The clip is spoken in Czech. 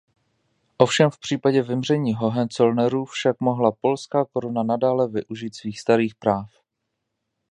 Ovšem v případě vymření Hohenzollernů však mohla Polská koruna nadále využít svých starých práv.